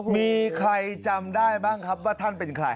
มีใครจำได้บ้างครับว่าท่านเป็นใคร